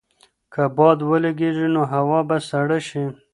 که باد ولګېږي نو هوا به سړه شي.